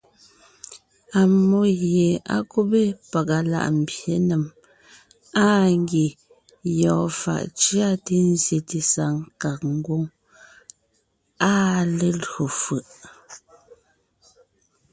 Ammó gie á kúbe pàga láʼ mbyěnèm, áa ngie yɔɔn fàʼ cʉate nzyete saŋ kàg ngwóŋ, áa lelÿò fʉ̀ʼ.